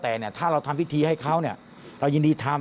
แต่ถ้าทำพิธีให้เขาเรายินดีทำ